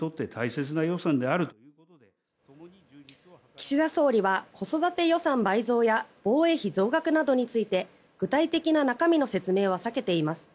岸田総理は子育て予算倍増や防衛費増額などについて具体的な中身の説明は避けています。